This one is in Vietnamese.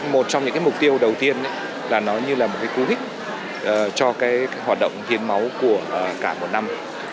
một trong những mục tiêu đầu tiên là nó như là một cú hích cho hoạt động hiến máu của cả một năm